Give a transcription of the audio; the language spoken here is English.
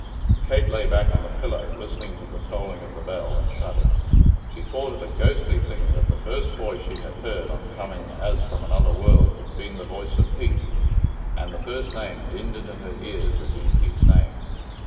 Kate lay back on the pillow, listened to the tolling of the bell, and shuddered. She thought it a ghostly thing that the first voice she had heard on coming as from another world had been the voice of Pete, and the first name dinned into her ears had been Pete's name.